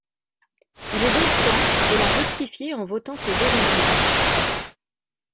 Il est donc temps de la rectifier en votant ces deux amendements.